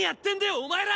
お前ら！